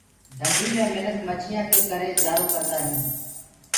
ڍنڊي مي منک مڇيآنٚ ڪي ڪرآ ڪوجآ ڪردآ هينٚ۔